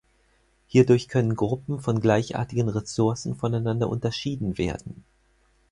Hierdurch können Gruppen von gleichartigen Ressourcen voneinander unterschieden werden.